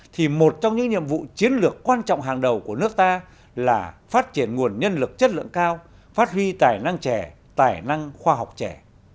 thì một trong những nhiệm vụ chiến lược quan trọng hàng đầu của nước ta là phát triển nguồn nhân lực chất lượng cao phát huy tài năng trẻ tài năng khoa học trẻ